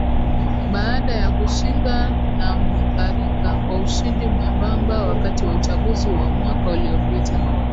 Baada ya kushindwa na Mutharika kwa ushindi mwembamba wakati wa uchaguzi wa mwaka uliopita